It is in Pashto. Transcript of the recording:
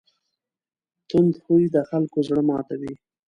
تند خوی د خلکو زړه ماتوي.